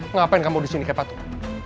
ngapain kamu disini kayak patuh